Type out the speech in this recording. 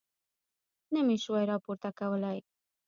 نه مې شوای راپورته کولی.